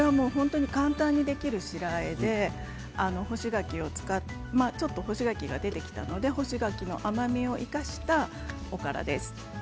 簡単にできる白あえでちょっと干し柿が出てきたので干し柿の甘みを生かしたおからです。